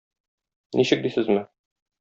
Ничек дисезме?